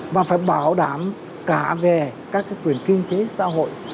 và phải bảo đảm cả về các quyền kinh tế xã hội